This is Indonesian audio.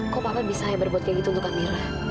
kok papa bisa berbuat kayak gitu untuk amira